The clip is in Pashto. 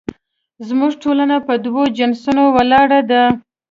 زموږ ټولنه په دوو جنسونو ولاړه ده